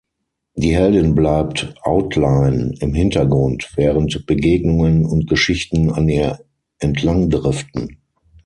Die Heldin bleibt 'outline' im Hintergrund, während Begegnungen und Geschichten an ihr entlang driften.